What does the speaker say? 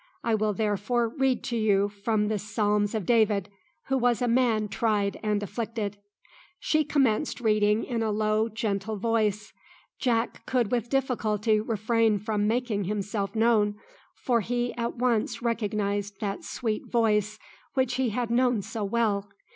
I will therefore read to you from the Psalms of David, who was a man tried and afflicted." She commenced reading in a low, gentle voice. Jack could with difficulty refrain from making himself known, for he at once recognised that sweet voice which he had known so well.